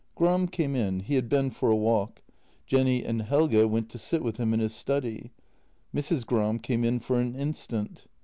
Gram came in; he had been for a walk. Jenny and Helge went to sit with him in his study. Mrs. Gram came in for an instant.